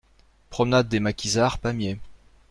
Promenade des Maquisards, Pamiers